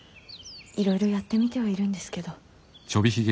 いろいろやってみてはいるんですけど。